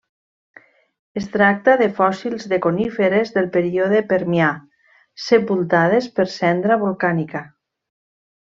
Es tracta de fòssils de coníferes del període Permià, sepultades per cendra volcànica.